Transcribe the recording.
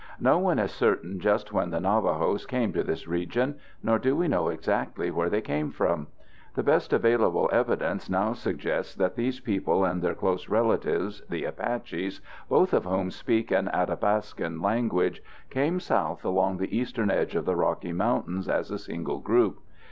No one is certain just when the Navajos came to this region nor do we know exactly where they came from. The best available evidence now suggests that these people and their close relatives, the Apaches, both of whom speak an Athapascan language, came south along the eastern edge of the Rocky Mountains as a single group.